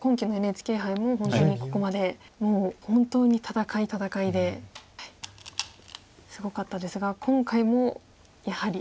今期のＮＨＫ杯も本当にここまでもう本当に戦い戦いですごかったですが今回もやはり。